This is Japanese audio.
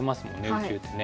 宇宙ってね。